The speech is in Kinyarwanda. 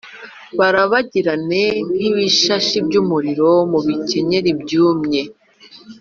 barabagirane nk’ibishashi by’umuriro mu bikenyeri byumye.